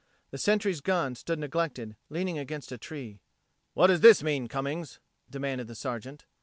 The Sentry's gun stood neglected, leaning against a tree. "What does this mean, Cummins?" demanded the Sergeant.